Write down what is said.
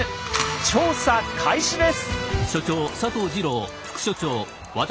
調査開始です！